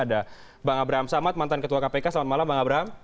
ada bang abraham samad mantan ketua kpk selamat malam bang abraham